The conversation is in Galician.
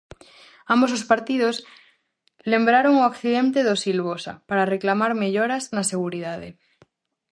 Ambos os partidos lembraron o accidente do Silvosa, para reclamar melloras na seguridade.